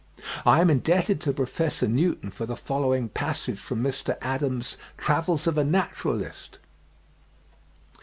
(9. I am indebted to Prof. Newton for the following passage from Mr. Adam's 'Travels of a Naturalist,' 1870, p.